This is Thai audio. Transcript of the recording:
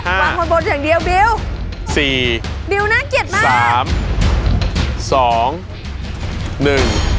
วางบนบนอย่างเดียวบิวสี่บิวน่าเกลียดมากสามสองหนึ่ง